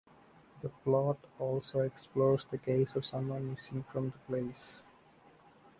The plot also explores the case of someone missing from the place.